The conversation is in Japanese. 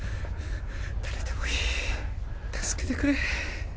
誰でもいい助けてくれ